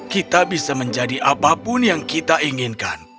kita bisa menjadi apapun yang kita inginkan